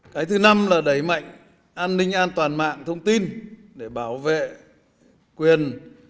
cái thứ năm là đẩy mạnh an ninh an toàn mạng thông tin để bảo vệ quyền